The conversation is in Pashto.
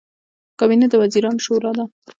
کابینه د وزیرانو شورا ده